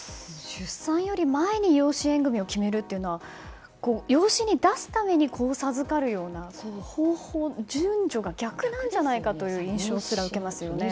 出産より前に養子縁組を決めるというのは養子に出すために子を授かるような、方法というか順序が逆なんじゃないかという印象すら受けますよね。